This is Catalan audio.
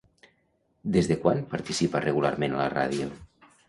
Des de quan participa regularment a la ràdio?